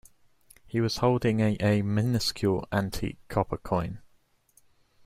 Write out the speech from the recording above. He was holding a a minuscule antique copper coin.